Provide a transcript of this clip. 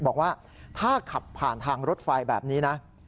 บอกว่าถ้าขับผ่านทางรถไฟแบบนี้นะ